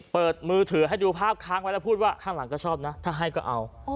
เปิดมือถือให้ดูภาพค้างไว้แล้วพูดว่าข้างหลังก็ชอบนะถ้าให้ก็เอา